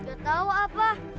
gak tahu apa